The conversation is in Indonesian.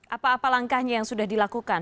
apa apa langkahnya yang sudah dilakukan